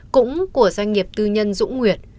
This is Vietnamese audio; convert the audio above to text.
cũng của doanh nghiệp tư nhân dũng nguyệt